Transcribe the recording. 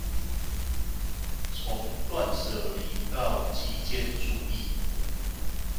從斷捨離到極簡主義